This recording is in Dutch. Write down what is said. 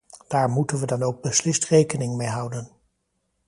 Daar moeten we dan ook beslist rekening mee houden.